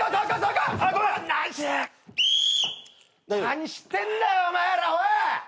何してんだお前らおい！